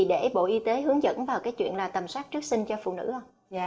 để bộ y tế hướng dẫn vào tầm soát trước sinh cho phụ nữ không